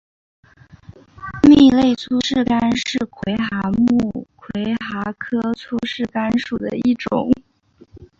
密肋粗饰蚶是魁蛤目魁蛤科粗饰蚶属的一种。